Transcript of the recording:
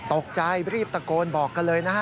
ตกใจรีบตะโกนบอกกันเลยนะฮะ